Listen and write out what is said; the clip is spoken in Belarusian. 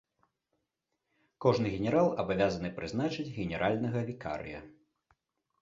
Кожны генерал абавязаны прызначыць генеральнага вікарыя.